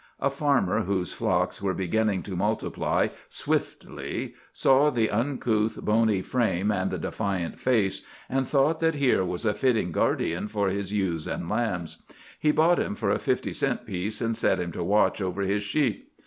A farmer whose flocks were beginning to multiply swiftly saw the uncouth, bony frame and the defiant face, and thought that here was a fitting guardian for his ewes and lambs. He bought him for a fifty cent piece and set him to watch over his sheep.